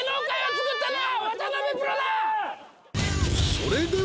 ［それでは］